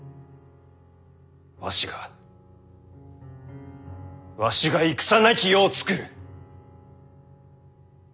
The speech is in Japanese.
わしがわしが戦なき世を作る。